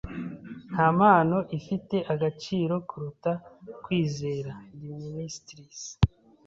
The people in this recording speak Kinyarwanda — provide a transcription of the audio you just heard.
Nta mpano ifite agaciro kuruta kwizera. (dimitris)